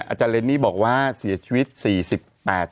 อาจารย์เรนนี่บอกว่าเสียชีวิต๔๘